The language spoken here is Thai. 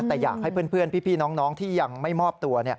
แต่อยากให้เพื่อนพี่น้องที่ยังไม่มอบตัว